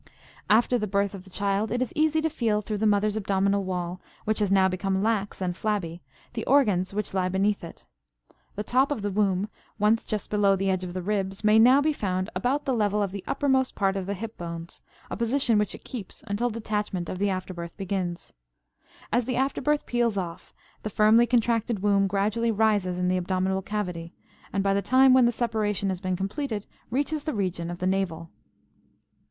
After the birth of the child it is easy to feel through the mother's abdominal wall, which has now become lax and flabby, the organs which lie beneath it. The top of the womb, once just below the edge of the ribs, may now be found about the level of the uppermost part of the hip bones, a position which it keeps until detachment of the after birth begins. As the after birth peels off, the firmly contracted womb gradually rises in the abdominal cavity, and by the time when the separation has been completed reaches the region of the navel.